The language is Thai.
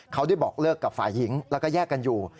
เขาได้บอกเลิกกับฝ่ายหญิงแล้วก็แยกกันอยู่